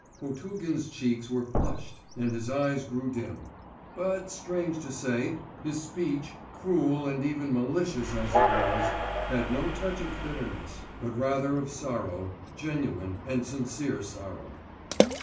Potugin's cheeks were flushed and his eyes grew dim; but, strange to say, his speech, cruel and even malicious as it was, had no touch of bitterness, but rather of sorrow, genuine and sincere sorrow.